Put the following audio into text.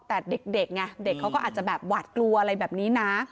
แต่เด็กไงเด็กเขาก็อาจจะแบบหวาดกลัวอะไรแบบนี้นะ